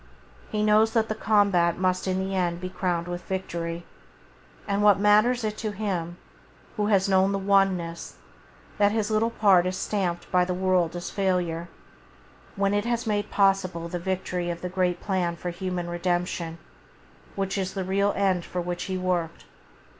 He knows that the combat must in the end be crowned with victory, and what matters it to him, who has known the One ness, that his little part is stamped by the world as failure, when it has made possible the victory of the great plan for human redemption, which is the real end for which he worked